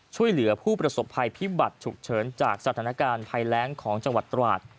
ช่วยเหลือผู้ประสบภัยพิบัตรฉุกเฉินจากสถานการณ์ภัยแรงของจังหวัดตราด